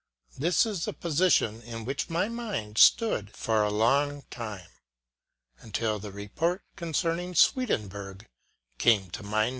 This is the position in which my mind stood for a long time, until the report concerning Swedenborg came to my notice.